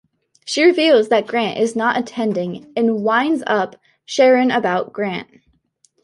She reveals that Grant is not attending and winds up Sharon about Grant.